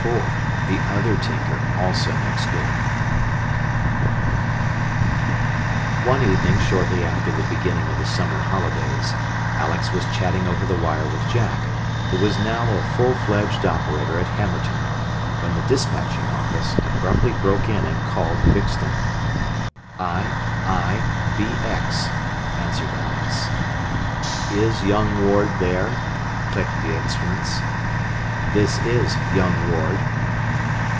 IV THE OTHER TINKER ALSO MAKES GOOD One evening shortly after the beginning of the summer holidays Alex was chatting over the wire with Jack, who was now a full fledged operator at Hammerton, when the despatching office abruptly broke in and called Bixton. "I, I, BX," answered Alex. "Is young Ward there?" clicked the instruments. "This is 'young Ward.'"